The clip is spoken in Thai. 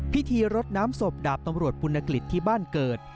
พิธีรดน้ำศพดาบตำรวจปุณกฤษที่บ้านเกิด